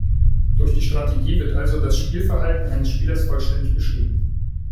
Durch die Strategie wird also das Spielverhalten eines Spielers vollständig beschrieben.